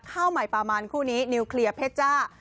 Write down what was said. ข้าวใหม่ประมาณคู่นี้นิวเคลียร์เพชรจ้า